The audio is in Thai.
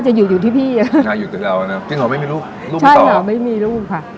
จริงหรอไม่มีลูกต่อหรอใช่ค่ะไม่มีลูกค่ะ